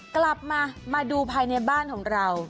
กลับมามาดูภายในบ้านของเรา